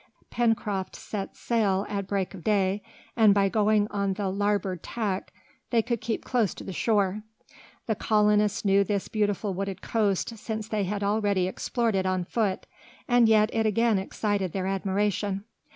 Pencroft set sail at break of day, and by going on the larboard tack they could keep close to the shore. The colonists knew this beautiful wooded coast, since they had already explored it on foot, and yet it again excited their admiration.